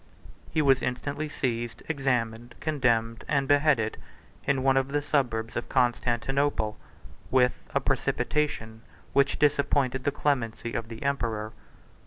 He was instantly seized, examined, condemned, and beheaded, in one of the suburbs of Constantinople, with a precipitation which disappointed the clemency of the emperor.